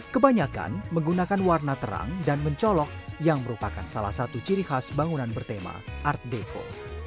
kebanyakan menggunakan warna terang dan mencolok yang merupakan salah satu ciri khas bangunan bertema art deco